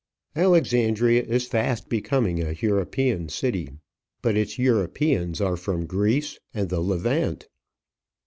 Alexandria is fast becoming a European city; but its Europeans are from Greece and the Levant!